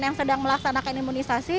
yang sedang melaksanakan imunisasi